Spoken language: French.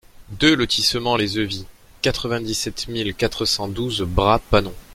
deux lotissement les Evis, quatre-vingt-dix-sept mille quatre cent douze Bras-Panon